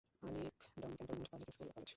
Alikadam cantonment public school ও college